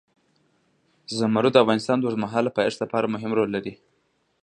زمرد د افغانستان د اوږدمهاله پایښت لپاره مهم رول لري.